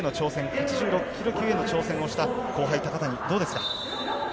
８６ｋｇ級への挑戦をした高谷、どうですか？